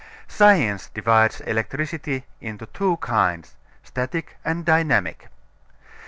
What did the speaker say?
Science divides electricity into two kinds static and dynamic.